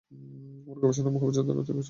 আমার গবেষণায় ও বহুবছর ধরে অর্থায়ন করছে।